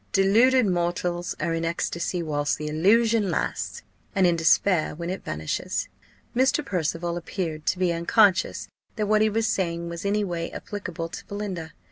Deluded mortals are in ecstasy whilst the illusion lasts, and in despair when it vanishes." Mr. Percival appeared to be unconscious that what he was saying was any way applicable to Belinda.